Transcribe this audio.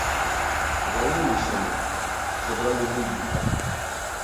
Вярнуліся мы, забралі бульбу так.